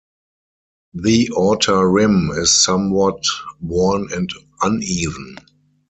The outer rim is somewhat worn and uneven.